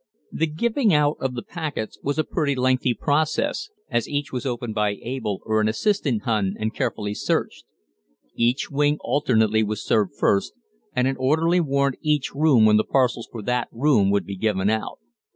The giving out of the paquets was a pretty lengthy process, as each was opened by Abel or an assistant Hun and carefully searched. Each wing alternately was served first, and an orderly warned each room when the parcels for that room would be given out.